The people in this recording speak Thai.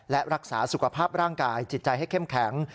และรักษาสุขภาพร่างกายจิตใจให้เข้มแข็ง